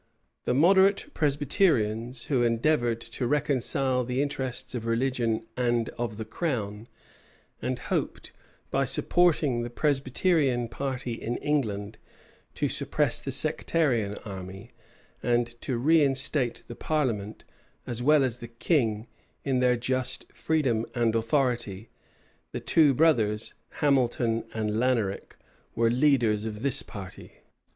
The "moderate Presbyterians," who endeavored to reconcile the interests of religion and of the crown; and hoped, by supporting the Presbyterian party in England, to suppress the sectarian army, and to reinstate the parliament, as well as the king, in their just freedom and authority: the two brothers, Hamilton and Laneric, were leaders of this party.